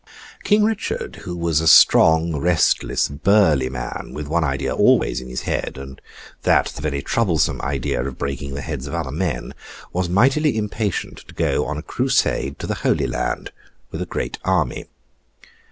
King Richard, who was a strong, restless, burly man, with one idea always in his head, and that the very troublesome idea of breaking the heads of other men, was mightily impatient to go on a Crusade to the Holy Land, with a great army.